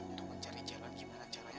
untuk mencari cara gimana caranya